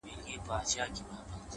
پوه انسان د پوښتنې ارزښت درک کوي